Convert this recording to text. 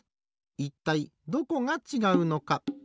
いったいどこがちがうのか。